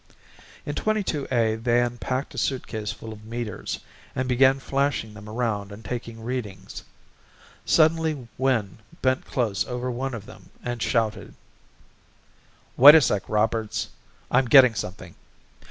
In 22A they unpacked a suitcase full of meters and began flashing them around and taking readings. Suddenly Wynn bent close over one of them and shouted: "Wait a sec, Roberts. I'm getting something.